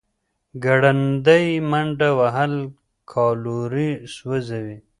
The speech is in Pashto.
ګړندۍ منډه وهل کالوري سوځوي.